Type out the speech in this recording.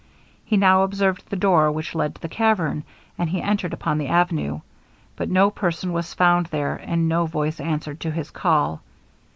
He now observed the door, which led to the cavern, and he entered upon the avenue, but no person was found there and no voice answered to his call.